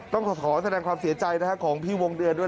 ต้องขอแสดงความเสียใจของพี่วงเดือนด้วย